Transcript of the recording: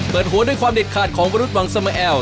หัวด้วยความเด็ดขาดของมนุษย์วังสมาแอล